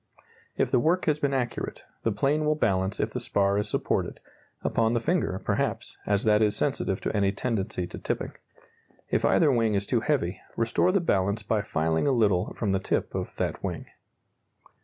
If the work has been accurate, the plane will balance if the spar is supported upon the finger, perhaps, as that is sensitive to any tendency to tipping. If either wing is too heavy, restore the balance by filing a little from the tip of that wing.